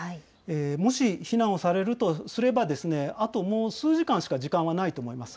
もし避難されるとすれば、あともう数時間しか時間はないと思います。